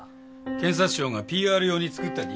検察庁がＰＲ用に作ったＤＶＤです。